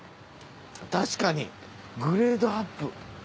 確かにグレードアップ。